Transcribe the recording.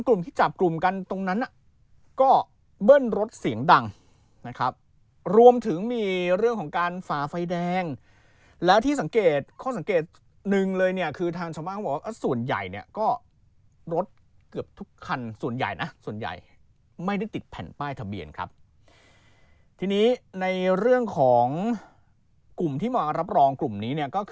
กลุ่มที่จับกลุ่มกันตรงนั้นน่ะก็เบิ้ลรถเสียงดังนะครับรวมถึงมีเรื่องของการฝ่าไฟแดงแล้วที่สังเกตข้อสังเกตหนึ่งเลยเนี่ยคือทางชาวบ้านเขาบอกว่าส่วนใหญ่เนี่ยก็รถเกือบทุกคันส่วนใหญ่นะส่วนใหญ่ไม่ได้ติดแผ่นป้ายทะเบียนครับทีนี้ในเรื่องของกลุ่มที่มารับรองกลุ่มนี้เนี่ยก็คือ